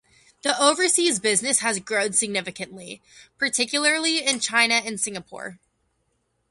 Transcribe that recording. This overseas business has grown significantly, particularly in China and Singapore.